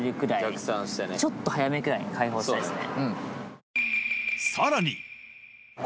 ちょっと早めくらいに解放したいですね。